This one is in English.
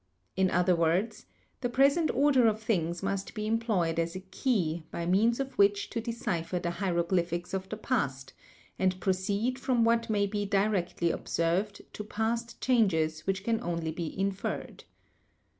In other words, the present order of things must be employed as a key by means of which to decipher the hieroglyphics of the past, and proceed from what may be directly observed to past changes which can only be inferred.